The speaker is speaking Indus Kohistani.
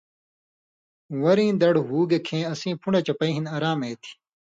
وریں دڑ ہُوگے کھیں اسیں پُھݩڈہۡ چپَیں ہِن آرام اےتھی۔